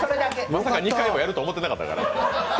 まさか２回もやると思ってなかったから。